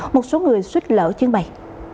một số người suýt lỡ chuyến bay